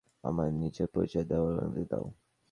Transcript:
আমার নিজের পরিচয় দেওয়ার অনুমতি দাও।